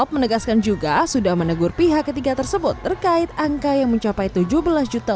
menegaskan juga sudah menegur pihak ketiga tersebut terkait angka yang mencapai tujuh belas juta